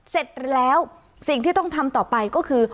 เสร็จแล้วสิ่งที่ต้องทำต่อไปก็คือ